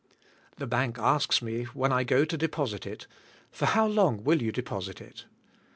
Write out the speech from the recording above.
The bank asks me, when I go to deposit it, "For how long will you deposit it?"